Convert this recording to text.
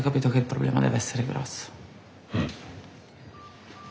うん。